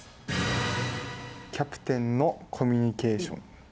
キャプテンのコミュニケーション。